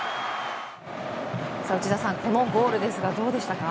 このゴールですがどうでしたか？